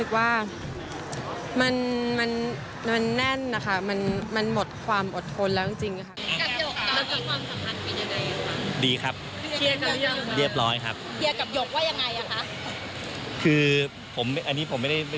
เกียรตัดกับหยกว่ายังไงอ่ะคะ